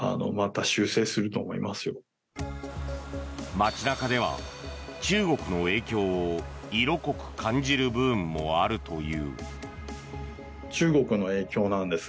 街中では中国の影響を色濃く感じる部分もあるという。